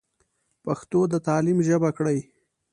پښتو د تعليم ژبه کړئ.